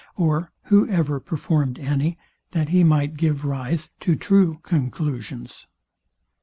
Or, who ever performed any, that he might give rise to true conclusions?